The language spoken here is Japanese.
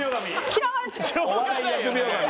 嫌われてる。